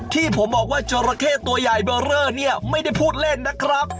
ที่ผมบอกว่าจราเข้ตัวใหญ่เบอร์เรอเนี่ยไม่ได้พูดเล่นนะครับ